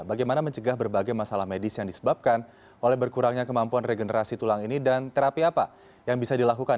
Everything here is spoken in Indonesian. bagaimana mencegah berbagai masalah medis yang disebabkan oleh berkurangnya kemampuan regenerasi tulang ini dan terapi apa yang bisa dilakukan